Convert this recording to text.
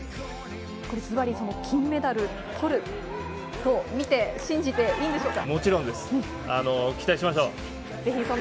ずばり金メダルを取るとみて信じていいんでしょうか？